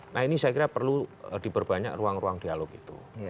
nah ini saya kira perlu diperbanyak ruang ruang dialog itu